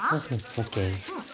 ＯＫ。